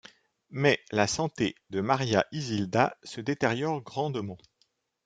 Mais la santé de Maria Izilda se détériore grandement.